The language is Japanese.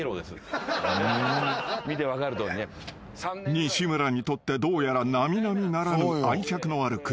［西村にとってどうやら並々ならぬ愛着のある車］